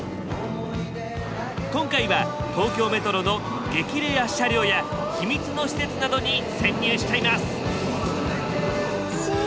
今回は東京メトロの激レア車両や秘密の施設などに潜入しちゃいます！